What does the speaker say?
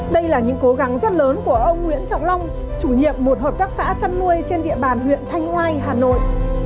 đây là những cố gắng rất lớn của ông nguyễn trọng long chủ nhiệm một hợp tác xã chăn nuôi trên địa bàn huyện thanh oai hà nội